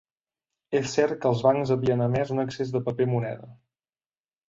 És cert que els bancs havien emès un excés de paper moneda.